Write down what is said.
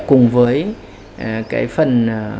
cùng với cái phần